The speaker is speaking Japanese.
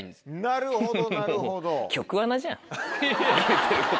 なるほど。